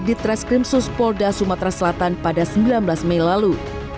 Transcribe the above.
di treskrimsus polda sumatera selatan pada sembilan belas mei lalu